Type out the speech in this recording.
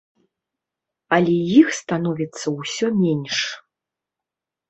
Але іх становіцца ўсё менш.